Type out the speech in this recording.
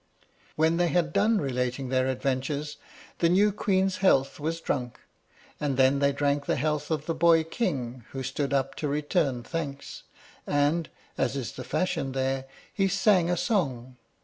When they had done relating their adventures, the new Queen's health was drunk. And then they drank the health of the boy king, who stood up to return thanks, and, as is the fashion there, he sang a song.